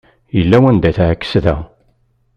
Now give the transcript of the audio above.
Yella wanda teεkes da!